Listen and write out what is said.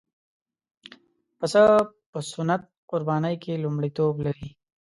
پسه په سنت قربانۍ کې لومړیتوب لري.